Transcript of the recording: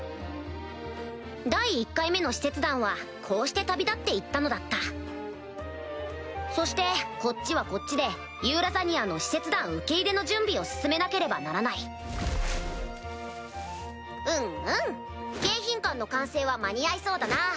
第１回目の使節団はこうして旅立って行ったのだったそしてこっちはこっちでユーラザニアの使節団受け入れの準備を進めなければならないうんうん迎賓館の完成は間に合いそうだな。